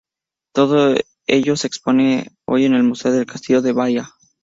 Todo ello se expone hoy en el Museo del Castillo de Baia.